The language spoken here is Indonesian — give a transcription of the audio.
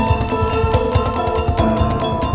aku akan menemukanmu